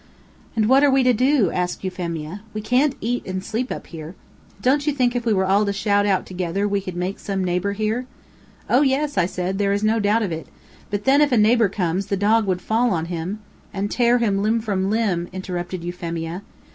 "And what are we to do?" asked Euphemia. "We can't eat and sleep up here. Don't you think that if we were all to shout out together, we could make some neighbor hear?" "Oh yes!" I said, "there is no doubt of it. But then, if a neighbor came, the dog would fall on him " "And tear him limb from limb," interrupted Euphemia.